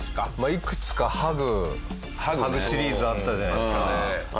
いくつかハグハグシリーズあったじゃないですか。